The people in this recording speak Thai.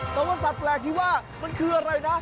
แต่ว่าสัตว์แปลกที่ว่ามันคืออะไรนะ